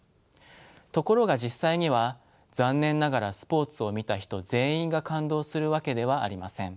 ところが実際には残念ながらスポーツを見た人全員が感動するわけではありません。